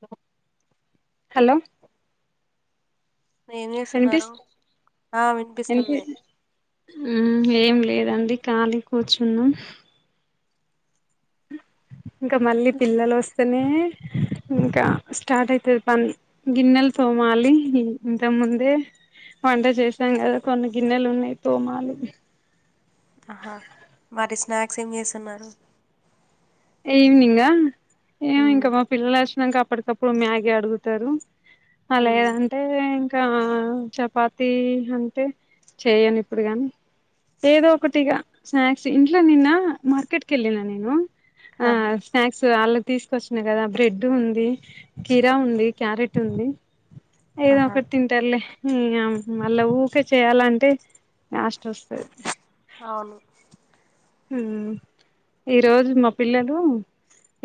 హ హలో ఏం వినిపిస్ చేస్తున్నారు ఆ వినిపి వినిపిస్తుంది ఏం లేదండి ఖాళీ కూర్చున్నాం ఇంకా మళ్ళీ పిల్లలు వస్తేనే ఇంకా స్టార్ట్ అయితది పని గిన్నెలు తోమాలి ఇంత ముందే వంట చేసాం కదా కొన్ని గిన్నెలు ఉన్నాయి తోమాలి ఆహా మరి స్నాక్స్ ఏం చేస్తున్నారు ఈవినింగా ఏమి ఉమ్ ఇంకా మా పిల్లలు వచ్చినాక అప్పటికప్పుడు ఇప్పుడు మ్యాగీ అడుగుతారు అలా ఏం ఉమ్ అంటే ఇంకా చపాతి అంటే చేయను ఇప్పుడు కానీ ఏదో ఒకటిగా స్నాక్స్ ఇంట్లో నిన్న మార్కెట్ కి వెళ్ళిన నేను ఆ ఆహా స్నాక్స్ వాళ్ళు తీసుకొచ్చినా కదా బ్రెడ్ ఉంది కీరా ఉంది క్యారెట్ ఉంది ఏదో ఆహా ఒకటి తిం టారులే మళ్ళా ఊరికే చేయాలంటే యాస్ట్ వస్తది అవును మ్ ఈ రోజు మా పిల్లలు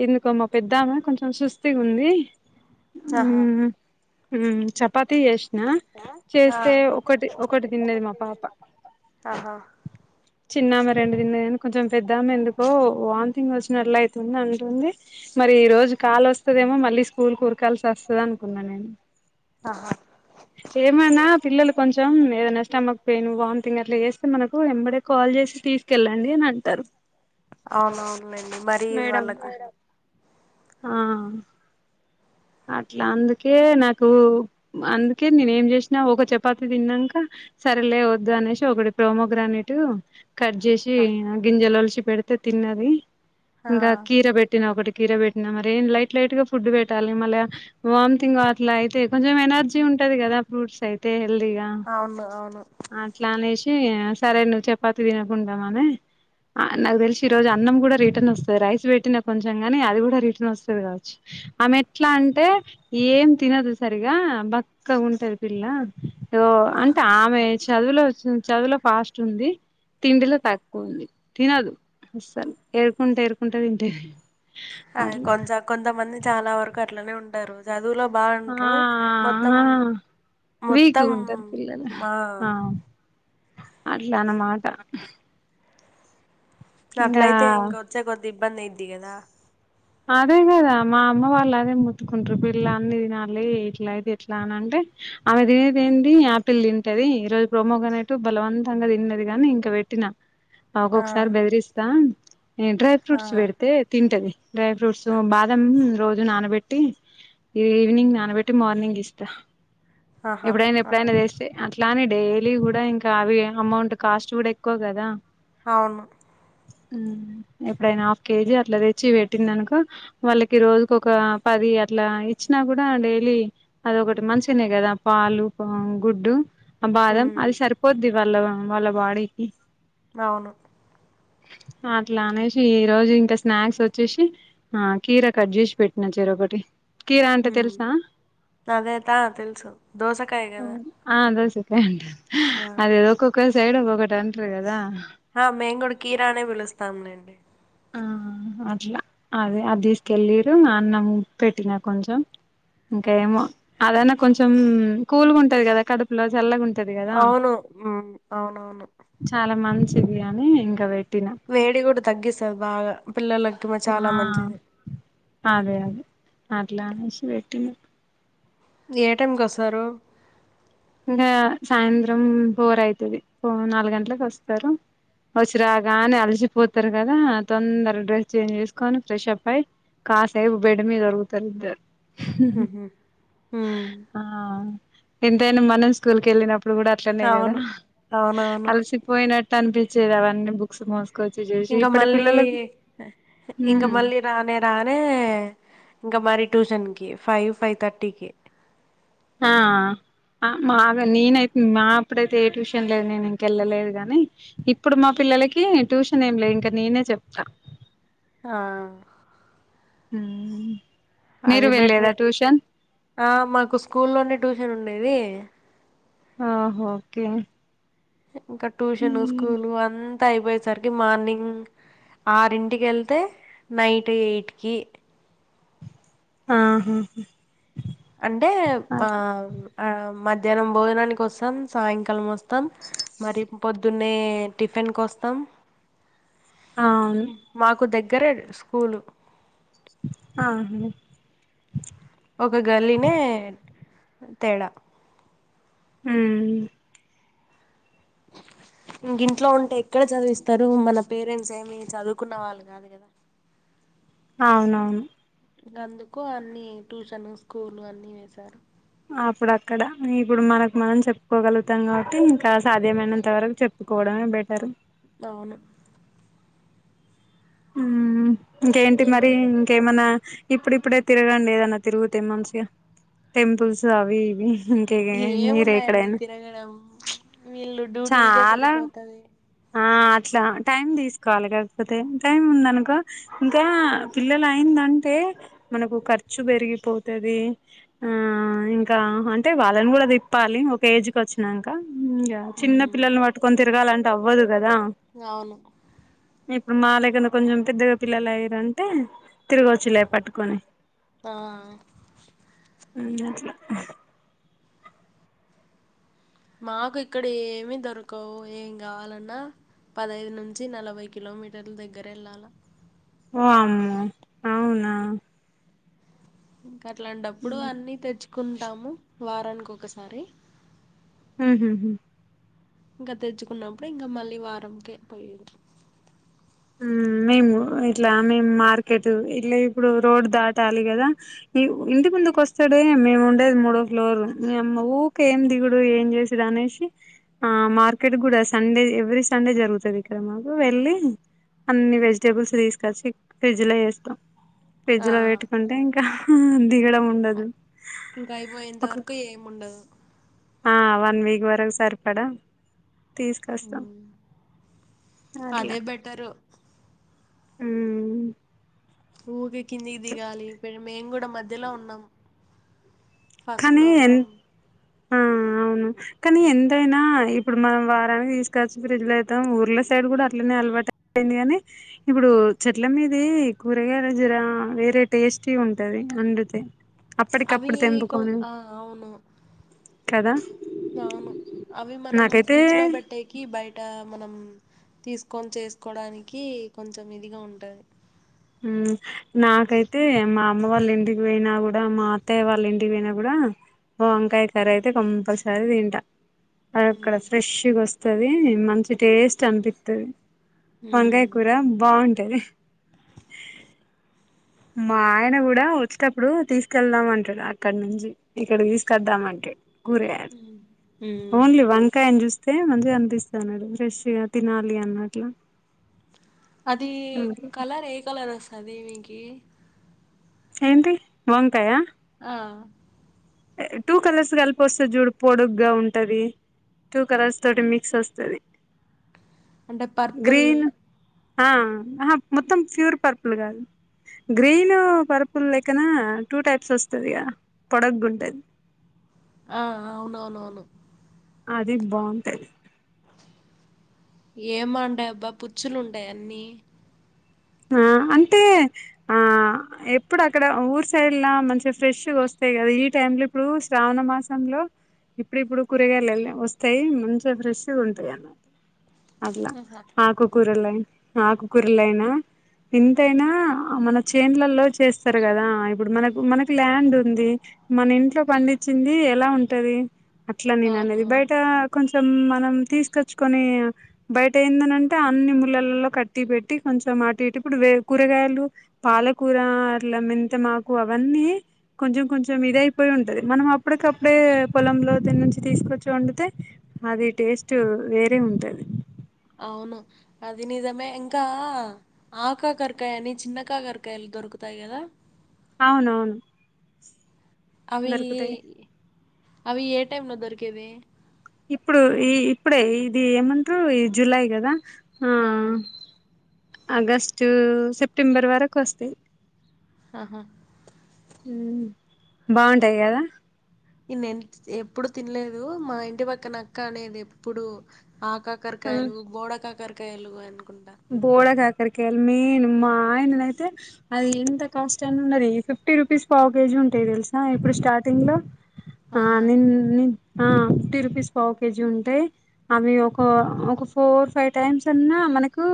ఎందుకో మా పెద్దమె కొంచెం సుస్తిగా ఉంది ఉ ఆహా ఉమ్ చపాతి చేస్ ఆ ఆ చేస్తే ఒకటి ఒకటి తిన్నది మా పాప చిన్నామె రెండు తిన్న కొంచెం పెద్దామె ఎందుకో వామిటింగ్ వచ్చినట్ల అయితుంది అంటుంది మరి ఈ రోజు కాలు వస్తదేమో మళ్ళీ స్కూల్ కురకాల్సి వస్తుంది అనుకున్నా నేను ఆహా ఏమైనా పిల్లలు కొంచెం ఏదైనా స్టమక్ పెయిన్ వామిటింగ్ అట్లా చేస్తే మనకు ఎంబడే కాల్ చేసి తీసు వెళ్ళండి అని అంటారు అవునవునండి మరి మేడం వాళ్ళకు ఆ అట్లా అందుకే నాకు అందుకే నేనే ఏం చేసినా ఒక చపాతి తిన్నాక సరిలే ఓద్దు అనేసి ఒకటి ప్రోమోగ్రానెటు కట్ చేసి ఆ గింజలు వొలిచి పెడితే తిన్నది ఆ, ఇంకా కీర బెట్ ఒకటి కీరె పెట్టి మరి ఏ లైట్ లైట్ ఫుడ్ పెట్టాలి మళ వామ్టింగ్ అట్లా అయితే కొంచెం ఎనర్జీ ఉంటది కదా ఫ్రూట్స్ అయితే హెల్దీగా అవును అవును అట్లా అనేసి సరే నువ్వు చపాతి తినకుండామని ఆ నాకు తెలిసి ఈ రోజు అన్నం కూడా రిటర్న్ వస్తుంది రైస్ పెట్టినాకు కొంచెం కాని అది కూడా రిటర్న్ వస్తుంది కావచ్చు ఆమె ఎట్లా అంటే ఏం తినదు సరిగా బక్కగ ఉంటది పిల్ల [unintelligible] అంటే ఆహా ఆమె చదువులో వచ్చింది చదువులో ఫాస్ట్ ఉంది తిండిలో తక్కువ ఉంది తినదు అస్సలు ఏరుకుంట ఏరుకుంట తింటది ఆ అట్లా కొంచ కొంతమంది చాలా వరకు అట్లనే ఉంటారు చదువులో ఆ బావుంటరు మొత్తం ఆ వీక్గా మొత్తం ఉంటారు పిల్లలు మా ఆ అట్లా అనమాట ఇంగా అట్లయితే ఇంక ఒచ్చే కొద్ది ఇబ్బంది అయిద్ది కదా అదే కదా మా అమ్మ వాళ్ళు అదే మొత్తుకుంటరు పిల్ల అన్ని తినాలి ఇట్లా అయితే ఎట్లా అని అంటే ఆమె తినేది ఏంది యాపిల్ తింటది ఈ రోజు ప్రోమో గ్రానేటు బలవంతంగా తిన్నది గాని ఇంక పెట్టినా అ ఆ ఒక్కొక్కసారి బెదిరిస్తా ఎ డ్రై ఆ ఫ్రూట్స్ పెడితే తింటది డ్రై ఫ్రూట్స్ ఆ బాదం రోజు నానబెట్టి ఈ ఈవినింగ్ నానబెట్టి మార్నింగ్ ఇస్తా ఆహా! ఎప్పుడైనా ఆ! ఎప్పుడైనా వేస్తే అట్లా ఇట్లానే డైలీ కూడా ఇంకా అవి అమౌంట్ కాస్ట్ కూడా ఎక్కువ కదా అవును ఎప్పుడైనా హాఫ్ కేజీ అట్లా తెచ్చి పెట్టిందనుకో వాళ్ళకి రోజుకు ఒక పది అట్లా ఇచ్చినా కూడా డైలీ అదొకటి మంచిిగనే కదా పాలు గుడ్డు ఆ బాదం హ్మ్. అది సరిపోద్ది వాళ్ళ వాళ్ళ బాడీకి అవును అట్లా అనేసి ఈ రోజు ఇంకా స్నాక్స్ ఒ చ్చేసి ఆ కీరా కట్ చేసి పెట్టిన చెరొకటి కీర అంటే హుమ్ తెలుసా తదేతా తెలుసు దోసకాయ కదా ఆ దోసకాయ అంట అదేదో ఒక్కొక్క సైడ్ ఒక్కొక్కటి అంటరు కదా ఆ మేము కూడా కీరా అనే పిలుస్తాములేండి ఆ అట్లా అదే అది తీసుకెల్లిరు నాన్నం పెట్టినా కొంచెం ఇంకా ఏమో అదనా కొంచెం కూల్ గా ఉంటది కదా కడుపులో చల్లగా ఉంటది కదా అవును ఉమ్ అవునవును చాలా మంచిది అని ఇంకా పెట్టినా వేడి కూడా తగ్గిస్తది బాగా పిల్లలక్ ఆ అదే అదే అట్లా ఏసి పెట్టినా ఏ టైంకి ఒస్తారు ఇంకా సాయంత్రం ఫోర్ అయితది పో నాలుగు గంటలకు ఒస్తారు వచ్చి రాగా అనే అలసిపోతరు కదా తొందర డ్రెస్ చేంజ్ చేసుకోని ఫ్రెష్ అప్ అయిి కాసేపు బెడ్ మీద ఒరుగుతారు ఇద్దరు హుహు. హ్మ్. ఎంతయినా మనం స్కూల్ కెళ్ళినప్పుడు కూడా అట్లనే కదా అవును. అవునవును. అలసి పోయినట్టు అనిపించేది అవన్నీ బుక్స్ మోస్ ఇంకా మళ్ళీ ఇంక ఉమ్ మళ్లి రానే రానే ఇంకా మరి ట్యూషన్ కి ఫైవ్ ఫైవ్ థర్టీకి ఆ ఆ మాగా నేనైతే మా అప్పుడైతే ఏ ట్యూషన్ లేదు నేను ఇంకెళ్ళలేదు గాని ఇప్పుడు మా పిల్లలకి ట్యూషన్ ఏం లే ఇంక నేనే చెప్తా ఆ ఉమ్ మీరు అది బెటరే వెళ్ళలేదా ట్యూషన్ ఆ మాకు స్కూల్లోనే ట్యూషన్ ఉండేది ఆ ఓకే ఇంకా ట్యూషనూ స్కూలు అంతా అయిపోయేసరికి మార్నింగ్ ఆరింటికి ఎళ్తే నైట్ ఎయిట్‌ కి ఆహా అంటే ఆ ఆ మధ్యాహ్నం భోజనానికి వస్తాం సాయంకాలం వస్తాం మరి పొద్దున్నే టిఫిన్ కోస్తాం మాకు దగ్గరే స్కూలు ఆహా ఒక గల్లీనే తేడా ఉహ్మ్ ఇంకింట్లో ఉంటే ఎక్కడ చదివిస్తారు మన పేరెంట్స్ ఏమి చదువుకున్న వాళ్ళు కాదు కదా అవునవును ఇంకా అందుకు అన్ని ట్యూషన్ స్కూలు అన్ని వేశారు అప్పుడు అక్కడ ఇప్పుడు మనకు మనం చెప్పుకోగలుగుతాం కాబట్టి ఇంకా సాధ్యమైనంత వరకు చె కోవడమే బెటర్ అవును ఉమ్మ్ ఇంకేంటి మరి ఏమన్నా కేమన్నా ఇప్పుడిప్పుడే తిరగండి ఏదన్నా తిరుగుతే మంచిగా టెంపుల్స్ అవి ఇవి ఇంకే మీరే ఏమున్నాయండి ఎక్కడైనా తిరగడం వీళ్ళు డ్యూటీలకే చాలా సరిపోతది ఆ అట్లా టైమ్ తీసుకోవాలి కాకపోతే టైం ఉందనుకో ఇంకా పిల్లలు అయిందంటే మనకు ఖర్చు పెరిగిపోతాది ఆ ఇంకా అంటే వాళ్ళని కూడా తిప్పాలి ఒక ఏజ్‌కి వచ్చినంకా ఇంగ చిన్న ఉమ్ పిల్లల్ని పట్టుకొని తిరగాలంటే అవ్వదు కదా అవును ఇప్పుడు మాలే క్కన కొంచెం పెద్దగా పిల్లలు అయిరంటే తిరగవచ్చులే పట్టుకొని ఆ ఉమ్మ్ అట్లా మాకు ఇక్కడ ఏమి దొరకవు ఏం కావాలన్నా పదైదు నుంచి నలభై కిలోమీటర్ల దగ్గర ఎళ్ళాలా వామ్మో అవునా ఇంకా అట్లాంటప్పుడు అన్ని తెచ్చుకుంటాము వారానికి ఒకసారి మ్మ్ఉఉమ్మ్ ఇంకా తెచ్చుకున్నప్పుడు ఇంకా మళ్ళీ వారంకే పోయేది ఉమ్మ్ మేము ఇట్లా మేం మార్కెట్ ఇట్లా ఇప్పుడు రోడ్డు దాటాలి కదా ఇ ఇంటి ముందుకు వస్తాడే మేము ఉండేది మూడో ఫ్లోరు నియమ్మ ఊకే ఏం దిగుడు ఏం చే అనేసి ఆ మార్కెట్ కూడా సండే ఎవ్రీ సండే జరుగుతది ఇక్కడ మాకు వెళ్ళి అన్ని వెజిటేబుల్స్ తీసుకొచ్చి ఫ్రిడ్జ్‌లో ఏస్తాం ఆ ఫ్రిడ్జ్‌లో పెట్టుకుంటే ఇంకా ఉమ్ దిగడం ఉండదు ఇంకా అయిపోయేంత ఒక వరకు ఏముండదు ఆ వన్ వీక్ వరకు సరిపడా తీసుకొస్తాం ఉమ్ అట్లా త్తరు మ్మ్ ఊకి కిందికి దిగాలి మేం కూడా మధ్యలో ఉన్నాం ఫస్ట్ కానీ ఫ్లోర్ లో ఎన్ ఉన్నాం ఆ అవును కానీ ఎంతైనా ఇప్పుడు మనం వారానికి తీసుకొచ్చి ఫ్రిడ్జ్ లో పెడతాం ఊర్ల సైడ్ కూడా అట్లనే అలవాటు పోయింది గానీ ఇప్పుడు చెట్ల మీది కూరగాయల జీర వేరే టేస్టీ ఉంటది అందితే అప్పటికప్పుడు తె ఎందుకు కు ఆ అవును కదా అవును అవి మనం నాకైతే ఫ్రిడ్జ్ లో పెట్టేకి కి బయట మనం తీసుకొని చేసుకోవడానికి కొంచెం ఇదిగా ఉంటది మ్మ్ నాకైతే మా అమ్మ వాళ్ళ ఇంటికి పోయినా కూడా మా అత్తయ్య వాళ్ళ ఇంటికి పోయినా కూడా వంకాయ కర్రీ అయితే కంపల్సరీ తింటా అది అక్కడ ఉమ్ ఫ్రెష్గా వస్తది మంచి టేస్ట్ అనిపిత్తది ఉమ్ వంకాయ కూర బాగుంటది మా ఆయన కూడా వచ్చేటప్పుడు తీసుకెల్దం అంటాడు అక్కడ నుంచి ఇక్కడ కి తీసుకద్దామంటడు కూరగాయలు ఉమ్. ఓన్లీ వంకాయని చూస్ తే మంచిగా కనిపిస్తాన్నాడు ఫ్రెష్గా తినాలి అన్నట్ల అది కలర్ ఏ కలర్ వస్తది మీకి ఏంటి వంకాయ ఆ టూ కలర్స్ కలిపి వస్తది చూడు పొడుగ్గా ఉంటది టూ కలర్స్ తోటి మిక్స్ వస్తది అంటే పర్పుల్ గ్రీన్ ఆ ఆహ మొత్తం ప్యూర్ పర్పుల్ కాదు గ్రీన్ పర్పుల్ లెక్కన టూ టైప్స్ వస్తది గ పొడగ్గుంటేది ఆ అవునవునవును అది బాగుంటాది ఏం బంటాయబ్బా పుచ్చులు ఉంటయి అన్నీ ఆ అంటే ఆ ఎప్పుడు అక్కడ ఊరు సైడ్లా మంచిగా ఫ్రెష్గా వస్తాయి కదా ఈ టైమ్ లో ఇప్పుడు శ్రావణ మాసంలో ఇప్పుడు ఇప్పుడు కూరగాయలు వెళ్ళాయి వస్తాయి మంచిగా ఫ్రెష్ ఉంటాయి అన్నట్టు అట్ల ఆహా ఆకుకూరల ఆకుకూరలయినా ఇంతైనా మన చెన్లల్లో చేస్తారు కదా ఇప్ ఇప్పుడు మనకు మనకి ల్యాండ్ ఉంది మన ఇంట్లో పండించింది ఎలా ఉంటది అట్ల నేను అనేది అవునవును బయట కొంచెం మనం తీసుకొచ్చుకొని బయట ఏందనంటే అన్ని ములలలో కట్టి పెట్టి కొంచెం ఆటు ఇట్ ఇప్పుడు వే కూరగాయలు పాలకూర అట్ల మెంతి మాకు అవన్నీ కొంచెం కొంచెం ఇదయిపోయి ఉంటది మనం అప్పటికప్పుడే పొలంలో దని నుంచి తీసుకొచ్చి వండితే అది టేస్ట్ వేరే ఉంటది అవును అది నిజమే ఇంకా ఆ కాకరకాయ అని చిన్న కాకరకాయలు దొరుకుతాయి కదా అవునవును అవి దొరుకుతాయి అవి ఏ టైమ్ లో దొరికేది ఇప్పుడు ఈ ఇప్పుడే ఇది ఏమంటారు ఈ జులై కదా ఆ ఆగస్టు సెప్టెంబర్ వరకు వస్తాయి ఆహా బాగుంటాయి కదా నేను ఎప్పుడు తినలేదు మా ఇంటి పక్కన అక్క అనేది ఎప్పుడు ఆ ఆ కాకరకాయలు బోడ కాకరకాయలు అనుకుంటా బోడ కాకరకాయలు మెయిన్ మా ఆయన నైతే అది ఎంత కాస్ట్ అయిన ఉండని ఫిఫ్టీ రుపీస్ పావ్ కేజీ ఉంటాయి తెలుసా ఇప్పుడు స్టాటింగ్ లో ఆ ఆహా నిన్ ఫిఫ్టీ రూపీస్ పావు కేజీ ఉంటాయి అవి ఒక ఒక ఫోర్ ఫైవ్ టైమ్స్ అన్నా మన కు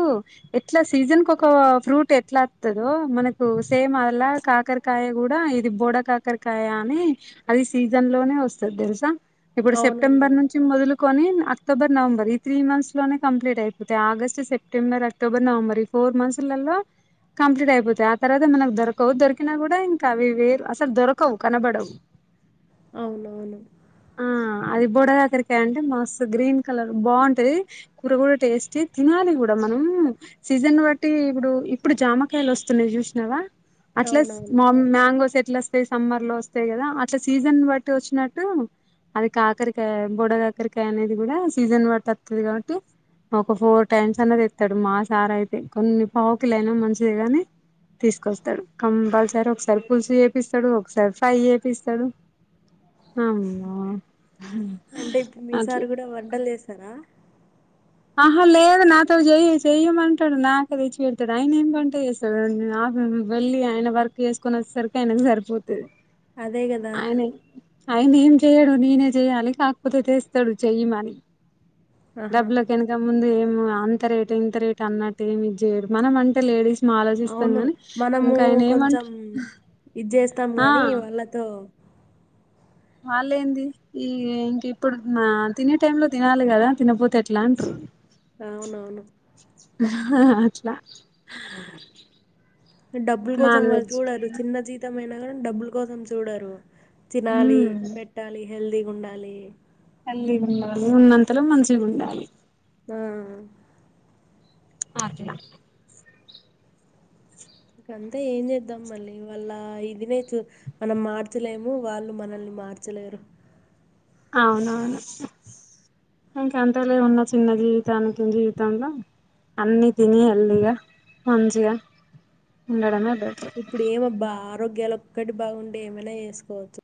ఎట్లా సీజన్ కు ఒక ఫ్రూట్ ఎట్లాస్తుందో మనకు సేమ్ అలా కాకరకాయ కూడా అది బోడ కాకరకాయ అని అది సీజన్ లోనే వస్తది తెలుసా ఇప్పుడు అవునంట సెప్టెంబర్ నుంచి మొదలు కొని అక్టోబర్ నవంబర్ ఈ త్రీ మంత్స్ లోనే కంప్లీట్ అయిపోతాయి ఆగస్టు సెప్టెంబర్ అక్టోబర్ నవంబర్ ఈ ఫోర్ మంత్స్లాల్లో కంప్లీట్ అయిపోతాయి ఆ తర్వాత మనకు దొరకవు దొరికినా కూడా ఇంకా అవి వేరు అసలు దొరకవు కనబడవు [inaudible] అవునవును ఆ అది బొడ కాకరకాయ అంటే మస్తు గ్రీన్ కలర్ బాగుంటది కూర గూడా టేస్ట్ ఏ తినాలి గూడ ఇడ మనం సీజన్ బట్టి ఇప్పుడు ఇప్పుడు జామకాయలు వస్తున్నాయి చూసినావా అట్లా స్ అవునవును మ మ్యాంగోస్ ఎట్లో సమ్మర్ లో వస్తాయి గదా అట్లా సీజన్ బట్టి వచ్చినట్టు అది కాకరకాయ బొడ కాకరకాయ అనేది కూడా సీజన్ బట్టి వత్తది కాబట్టి ఒక ఫోర్ టైమ్స్ అన్న తేస్తాడు మా సార్ అయితే కొన్ని పావు కిలోయినా మంచిది గాని తీసుకొస్తాడు కంపల్సరీ ఒకసారి పులుసు చేపిస్తాడు ఒకసారి ఫ్రై చేపిస్తాడు [inaudible] అంటే ఇప్పుడు మీ అట్లా సార్ గూడా వంటలు చేస్తారా ఆహా లేదు నాతో చెయ చెయ్యమంటాడు నాకు తెచ్చి పెడతాడు ఆయన ఏం వంట చేస్తా వెళ్ళి ఆయన వర్క్ చేసుకున్న సరికి ఆయనకు సరిపోతుంది అదే కదా ఆయనే ఆయన ఏం చెయ్యడు నేనే చెయ్యాలి కాకపోతే చేస్తాడు చెయ్యమని ఆహా డబ్బులకి వెనక ముందు ఏమ అంత రేటు ఇంత రేటు అన్నట్టు ఏమి ఇది చేయడు మనం అంటే లేడీస్ మా ఆలోచిస్తాం అవును గాని మనము ఇంకా ఆయన ఏమంట కొంచెం ఇది చేస్తాం ఆ గాని వాళ్ళతో వాలేంది ఈ ఇప్పుడు తినే టైము లో తినాలి గదా తినకపోతే ఎట్లా అంటరు అవునవును అట్లా డబ్బులు కోసం నాన్ వాళ్ళు వెజ్ చూడరు కైనా చిన్న జీతం అయినా గానీ డబ్బుల కోసం చూడరు తినాలి ఉమ్ పెట్టాలి హెల్దీగా ఉండాలి హెల్దిగా ఉండాలి ఉన్నంతలో మంచిగా ఉండాలి ఆ అట్లా కంతే ఏం చేద్దాం మళ్ళీ వాళ్ళ ఇదినే చూ మనం మార్చలేము వాళ్ళు మనల్ని మార్చలేరు అవునవును ఇంకెంత లేమున్నా చిన్న జీవితానికి జీవితంలో అన్ని తిని హెల్తీగా మంచిగా ఉండడమే బెటర్ ఇప్పుడు ఏమోబ్బా ఆరోగ్యాలు ఒక్కటి బాగుండే ఏమైనా చేసుకోవచ్చు